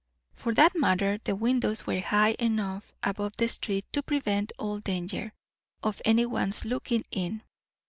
For that matter, the windows were high enough above the street to prevent all danger of any one's looking in.